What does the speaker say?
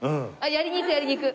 やりに行くやりに行く。